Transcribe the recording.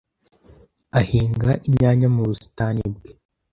ahinga inyanya mu busitani bwe.